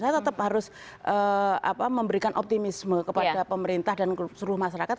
saya tetap harus memberikan optimisme kepada pemerintah dan seluruh masyarakat